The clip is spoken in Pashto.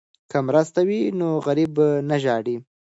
که مرسته وي نو غریب نه ژاړي.